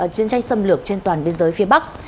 chiến tranh xâm lược trên toàn biên giới phía bắc